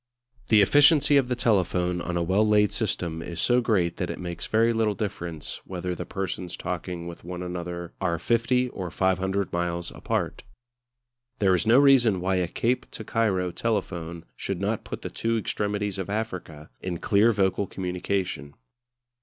The efficiency of the telephone on a well laid system is so great that it makes very little difference whether the persons talking with one another are 50 or 500 miles apart. There is no reason why a Cape to Cairo telephone should not put the two extremities of Africa in clear vocal communication.